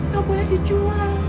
gak boleh dijual